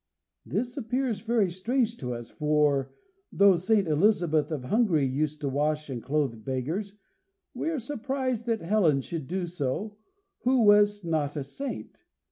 This appears very strange to us, for though Saint Elizabeth of Hungary used to wash and clothe beggars, we are surprised that Helen should do so, who was not a saint.